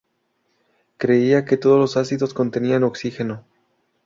Creía que todos los ácidos contenían oxígeno.